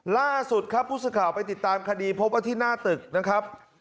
ล่าสุดครับผู้สื่อข่าวไปติดตามคดีพบว่าที่หน้าตึกนะครับ